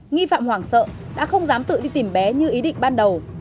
nghi phạm hoàng sợ đã không dám tự đi tìm bé như ý định ban đầu